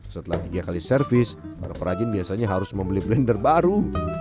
setelah tiga kali servis para perajin biasanya harus membeli blender baru